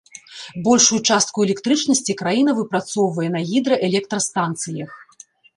Большую частку электрычнасці краіна выпрацоўвае на гідраэлектрастанцыях.